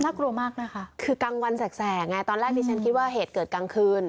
กลัวมากนะคะคือกลางวันแสกไงตอนแรกที่ฉันคิดว่าเหตุเกิดกลางคืน